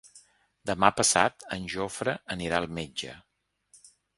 Demà passat en Jofre anirà al metge.